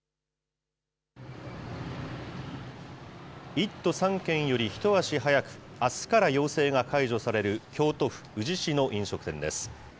１都３県より一足早く、あすから要請が解除される京都府宇治市の飲食店です。